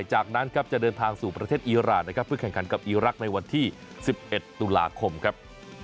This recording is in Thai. จากนั้นครับจะเดินทางสู่ประเทศอีรานนะครับเพื่อแข่งขันกับอีรักษ์ในวันที่๑๑ตุลาคมครับ